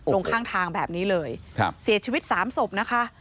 ลงข้างทางแบบนี้เลยเสียชีวิตสามศพนะคะ